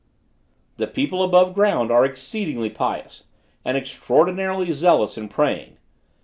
"The people above ground are exceedingly pious, and extraordinarily zealous in praying.